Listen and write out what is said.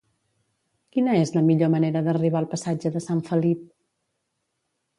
Quina és la millor manera d'arribar al passatge de Sant Felip?